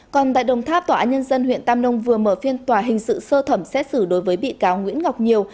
còn tại đồng tháp tòa án nhân dân huyện tam nông vừa mở phiên tòa hình sự sơ thẩm xét xử đối với bị cáo nguyễn ngọc nhiều